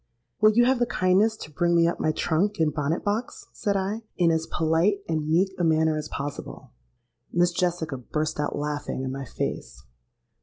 'Will you have the kindness to bring me up my trunk and bonnet box?' said I, in as polite and meek a manner as possible.—Miss Jessica burst out laughing in my face.